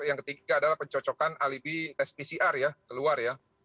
yang ketiga adalah pencocokan alibi tes pcr ya keluar ya